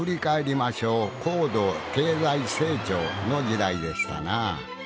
高度経済成長の時代でしたな。